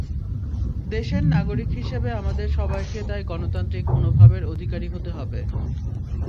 দেশের নাগরিক হিসেবে আমাদের সবাইকে তাই গণতান্ত্রিক মনোভাবের অধিকারী হতে হবে।